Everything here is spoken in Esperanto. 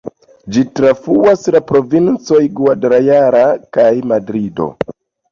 Ĝi trafluas la provincojn Guadalajara kaj Madrido.